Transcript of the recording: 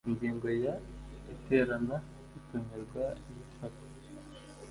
ingingo ya iterana itumirwa n ifatwa